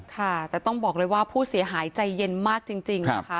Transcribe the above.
ค่ะแต่ต้องบอกเลยว่าผู้เสียหายใจเย็นมากจริงนะคะ